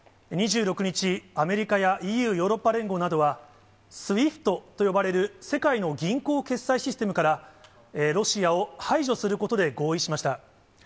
２６日、アメリカやＥＵ・ヨーロッパ連合などは、ＳＷＩＦＴと呼ばれる世界の銀行決済システムから、ロシアを排除することで合意しました。